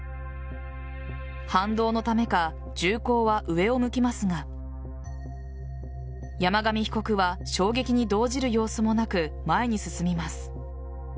反動のためか銃口は上を向きますが山上被告は衝撃に動じる様子もなく前に進みます。